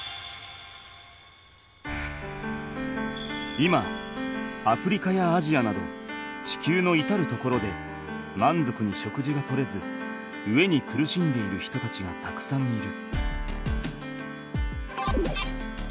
今アフリカやアジアなど地球のいたる所でまんぞくに食事が取れず飢えに苦しんでいる人たちがたくさんいる。